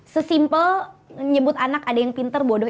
sesimpel nyebut anak ada yang pinter bodoh